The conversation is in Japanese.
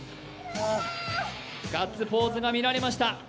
ガッツポーズが見られました。